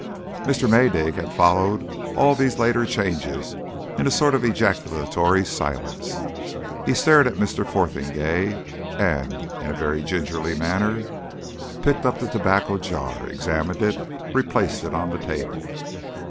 Mr. Maydig had followed all these later changes in a sort of ejaculatory silence. He stared at Mr. Fotheringay and, in a very gingerly manner, picked up the tobacco jar, examined it, replaced it on the table.